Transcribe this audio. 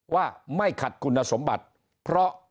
ว่าไม่ขัดคุณสมบัติเพราะ